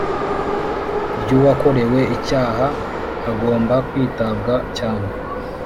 ry uwakorewe icyaha hagomba kwitabwa cyane